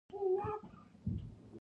د تسوانا خلکو د لاسپوڅي رژیم مخنیوی وکړ.